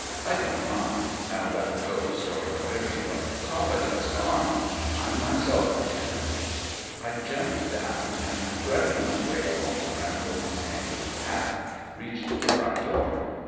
"I don't mind, now that the ghost, or whatever you like to call it, has gone; I'm myself again." I jumped down, and threading my way along the bramble entangled path, reached the front door.